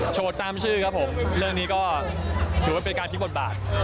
ตามชื่อครับผมเรื่องนี้ก็ถือว่าเป็นการคิดบทบาท